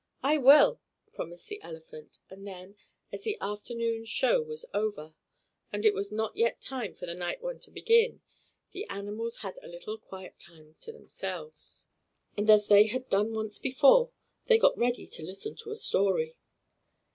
"I will!" promised the elephant. And then, as the afternoon show was over, and it was not yet time for the night one to begin, the animals had a little quiet time to themselves. And, as they had done once before, they got ready to listen to a story.